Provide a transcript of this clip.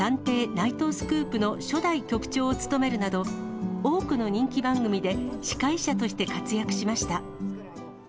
ナイトスクープの初代局長を務めるなど、多くの人気番組で司会者として活躍しました。